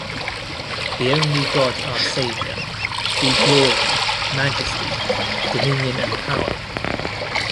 To the only God our Saviour, be glory, majesty, dominion and power.